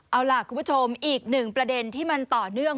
เอาล่ะคุณผู้ชมอีกหนึ่งประเด็นที่มันต่อเนื่อง